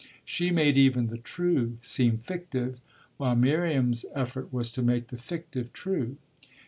She made even the true seem fictive, while Miriam's effort was to make the fictive true.